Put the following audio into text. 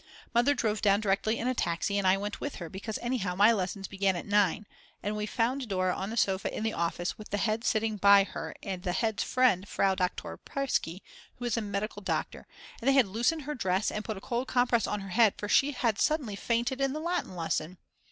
Mother drove down directly in a taxi and I went with her because anyhow my lessons began at 9 and we found Dora on the sofa in the office with the head sitting by her and the head's friend, Frau Doktor Preisky, who is a medical doctor, and they had loosened her dress and put a cold compress on her head for she had suddenly fainted in the Latin lesson.